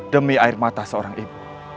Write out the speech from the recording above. demi air mata seorang ibu